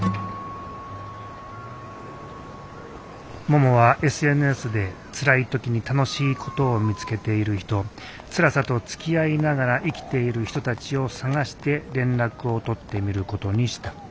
ももはＳＮＳでつらい時に楽しいことを見つけている人つらさとつきあいながら生きている人たちを探して連絡を取ってみることにした。